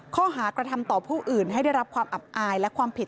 ข้อหากระทำต่อผู้อื่นให้ได้รับความอับอายและความผิด